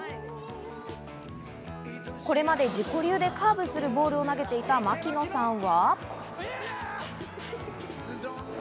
これまで自己流でカーブするボールを投げていた槙野さんは。